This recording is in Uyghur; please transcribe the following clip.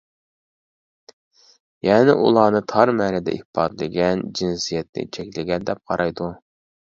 يەنى ئۇلارنى تار مەنىدە ئىپادىلىگەن، جىنسىيەتنى چەكلىگەن دەپ قارايدۇ.